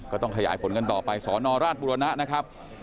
ก็ต้องขยายผลกันต่อไปสนราชบุรณะนะครับ